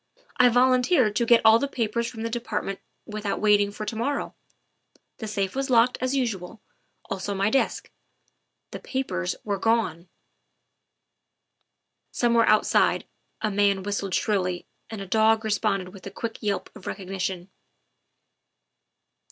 I volunteered to get all the papers from the Department without wait ing for to morrow. The safe was locked, as usual, also my desk. The papers were gone." Somewhere outside a man whistled shrilly and a dog responded with a quick yelp of recognition.